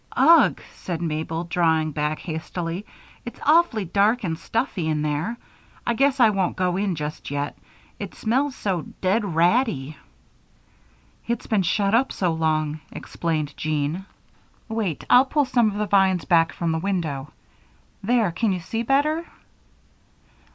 "Ugh!" said Mabel, drawing back hastily. "It's awfully dark and stuffy in there. I guess I won't go in just yet it smells so dead ratty." "It's been shut up so long," explained Jean. "Wait. I'll pull some of the vines back from this window. There! Can you see better?"